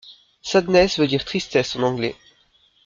Sadness veut dire tristesse en anglais.